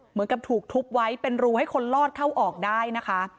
เหมือนกับถูกทุบไว้เป็นรูให้คนลอดเข้าออกได้นะคะ